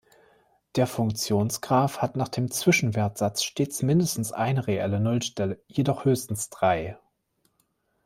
Der Funktionsgraph hat nach dem Zwischenwertsatz stets mindestens eine reelle Nullstelle, jedoch höchstens drei.